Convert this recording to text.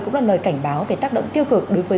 cũng là lời cảnh báo về tác động tiêu cực đối với